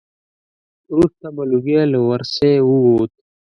وروسته به لوګی له ورسی ووت.